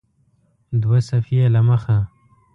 دوه صفحې یې له مخه